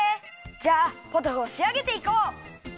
じゃあポトフをしあげていこう！